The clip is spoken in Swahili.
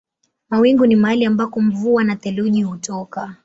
Mawingu ni mahali ambako mvua na theluji hutoka.